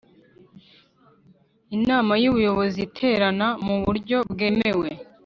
Inama y Ubuyobozi iterana mu buryo bwemewe